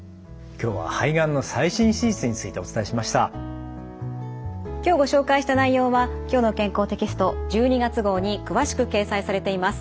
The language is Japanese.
今日ご紹介した内容は「きょうの健康」テキスト１２月号に詳しく掲載されています。